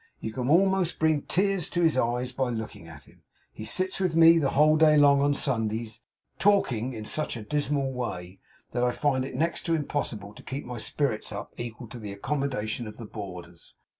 You can almost bring the tears into his eyes by looking at him. He sits with me the whole day long on Sundays, talking in such a dismal way that I find it next to impossible to keep my spirits up equal to the accommodation of the boarders.